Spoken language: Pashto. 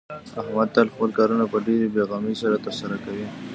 احمد تل خپل کارونه په ډېرې بې غمۍ سره ترسره کوي.